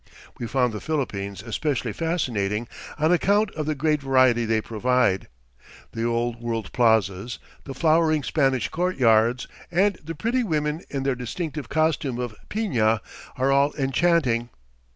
We found the Philippines especially fascinating on account of the great variety they provide. The old world plazas, the flowering Spanish courtyards, and the pretty women in their distinctive costume of piña are all enchanting.